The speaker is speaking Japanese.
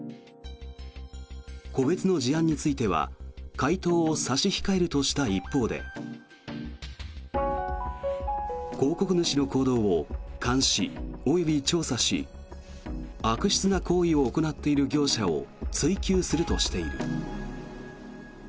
個別の事案については回答を差し控えるとした一方で広告主の行動を監視及び調査し悪質な行為を行っている業者を追及するとしている。